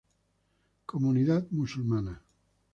Comunidad Musulmana